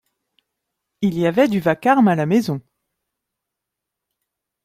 Il y avait du vacarme à la maison.